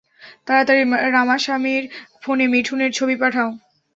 তাড়াতাড়ি, রামাসামির ফোনে মিঠুনের ছবি পাঠাও।